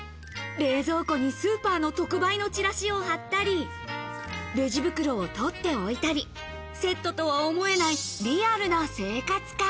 冷蔵庫にスーパーの特売のチラシを貼ったり、レジ袋をとっておいたり、セットとは思えないリアルな生活感。